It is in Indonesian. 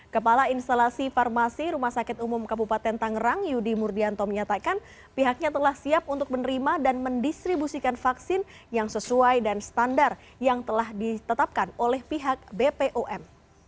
kepala instalasi farmasi rumah sakit umum kabupaten tangerang yudi murdianto menyatakan pihaknya telah siap untuk menerima dan mendistribusikan vaksin yang sesuai dan standar yang telah ditetapkan oleh pihak bpom